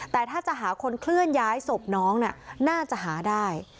แต่ถ้าจะหาคนเคลื่อนย้ายศพน้องน่าจะหาได้